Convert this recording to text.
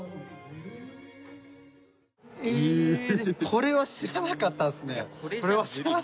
これは知らなかったですね。